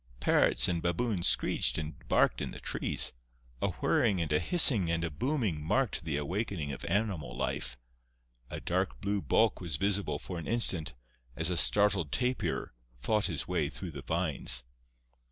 Parrots and baboons screeched and barked in the trees; a whirring and a hissing and a booming marked the awakening of animal life; a dark blue bulk was visible for an instant, as a startled tapir fought his way through the vines.